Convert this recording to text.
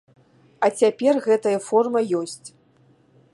А цяпер гэтая формула ёсць.